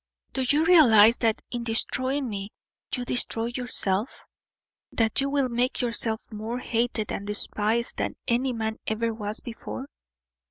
"Do you realize that in destroying me you destroy yourself; that you will make yourself more hated and despised than any man ever was before?